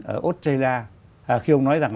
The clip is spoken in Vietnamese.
ở australia khi ông nói rằng